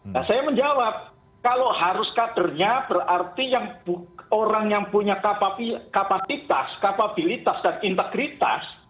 nah saya menjawab kalau harus kadernya berarti yang orang yang punya kapasitas kapabilitas dan integritas